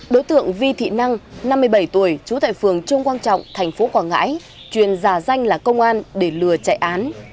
đối tượng vi thị năng năm mươi bảy tuổi trú tại phường trương quang trọng thành phố quảng ngãi truyền giả danh là công an để lừa chạy án